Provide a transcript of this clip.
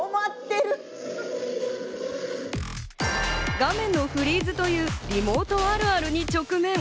画面のフリーズというリモートあるあるに直面。